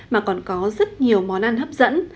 mà còn có rất nhiều món ăn hấp dẫn